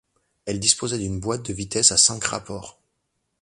Elle dispose d'une boîte de vitesses à cinq rapports.